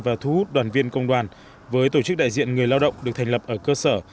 và thu hút đoàn viên công đoàn với tổ chức đại diện người lao động được thành lập ở cơ sở